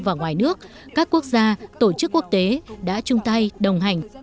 và ngoài nước các quốc gia tổ chức quốc tế đã chung tay đồng hành